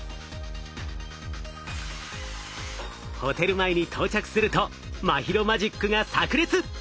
ホテル前に到着すると茉尋マジックがさく裂！